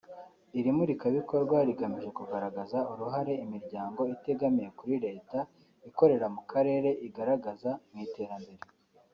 Iri murikabikorwa rigamije kugaragaza uruhare imiryango itegamiye kuri Leta ikorera mu karere igaragaza mu iterambere